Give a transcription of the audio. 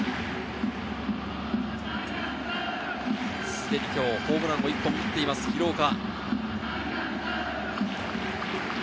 すでに今日ホームランを１本打っている廣岡。